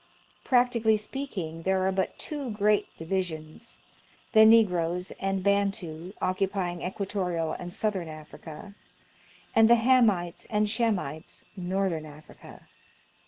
Practically speaking, there are but two great divisions, — the Negroes and Bantu, occupying equatorial and southern Africa ; and the Hamites and Shemites, northern Africa.